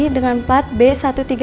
bapak yang punya mobil fortuner warna putih